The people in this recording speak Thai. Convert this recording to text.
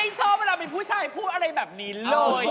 ชอบเวลามีผู้ชายพูดอะไรแบบนี้เลย